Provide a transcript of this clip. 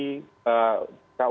dan dia efektivitasnya tinggi